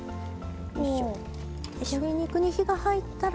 鶏肉に火が入ったら。